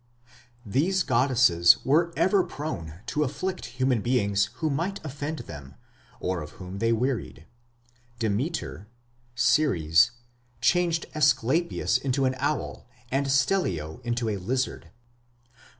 These goddesses were ever prone to afflict human beings who might offend them or of whom they wearied. Demeter (Ceres) changed Ascalaphus into an owl and Stellio into a lizard.